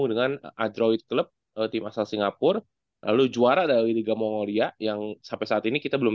dengan android klub tim asal singapura lalu juara dari liga mongolia yang sampai saat ini kita belum